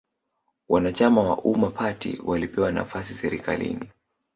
Wanachama wa Umma party walipewa nafasi serikalini